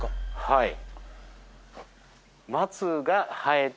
はい。